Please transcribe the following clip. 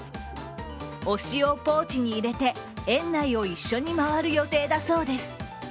推しをポーチに入れて園内を一緒に回る予定だそうです。